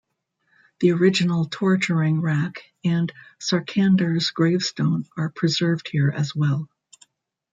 The original torturing rack and Sarkander's gravestone are preserved here as well.